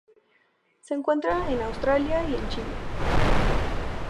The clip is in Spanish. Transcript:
Se encuentra en Australia y en Chile.